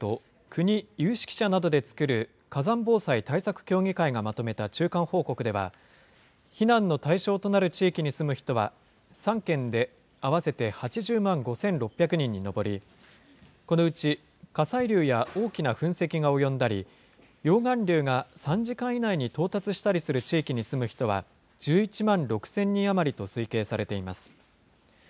静岡、山梨、神奈川の３県と国、有識者などで作る火山防災対策協議会がまとめた中間報告では、避難の対象となる地域に住む人は、３県で合わせて８０万５６００人に上り、このうち火砕流や大きな噴石が及んだり、溶岩流が３時間以内に到達したりする地域に住む人は、１１万６０００人余りと推計されています。